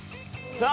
さあ